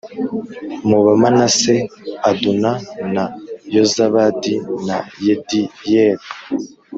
mu Bamanase Aduna na Yozabadi na Yediyeli